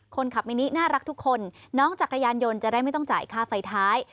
คนขับมินิน่ารักทุกคนน้องจักรยานยนต์จะได้ไม่ต้องจ่ายค่าไฟท้าย